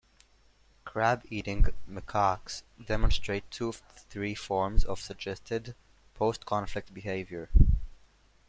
Crab-eating macaques demonstrate two of the three forms of suggested postconflict behavior.